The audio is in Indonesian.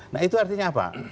nah itu artinya apa